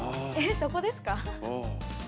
そこですか？